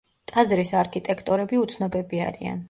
ტაძრის არქიტექტორები უცნობები არიან.